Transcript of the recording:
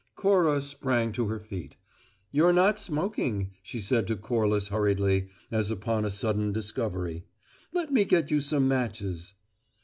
Cora sprang to her feet. "You're not smoking," she said to Corliss hurriedly, as upon a sudden discovery. "Let me get you some matches."